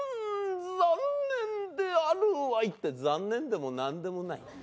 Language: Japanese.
残念であるわいって残念でもなんでもない。